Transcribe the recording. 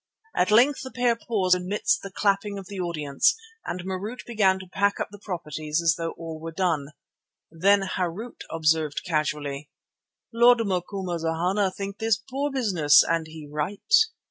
At length the pair paused amidst the clapping of the audience, and Marût began to pack up the properties as though all were done. Then Harût observed casually: "The Lord Macumazana think this poor business and he right.